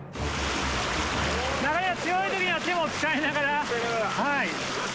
流れが強い所は手を使いながら。